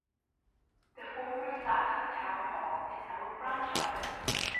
The former Sata Town Hall is now a branch office.